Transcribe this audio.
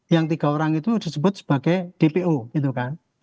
yang tiga orang itu disebut sebagai dpo gitu kan